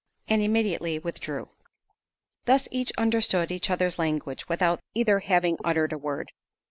And immediately withdrew. Thus each understood the other's language, without either having uttered a word.